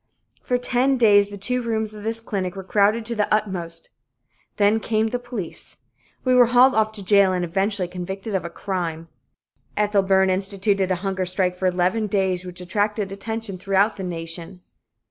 For ten days the two rooms of this clinic were crowded to their utmost. Then came the police. We were hauled off to jail and eventually convicted of a "crime." Ethel Byrne instituted a hunger strike for eleven days, which attracted attention throughout the nation.